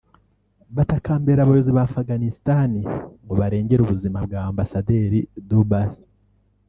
batakambira abayobozi ba Afghanistan ngo barengere ubuzima bwa Ambasaderi Dubs